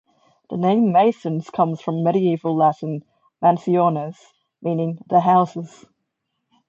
The name Maisons comes from Medieval Latin "Mansiones", meaning "the houses".